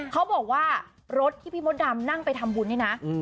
เขาบอกว่ารถที่พี่มดดำนั่งไปทำบุญนี่นะ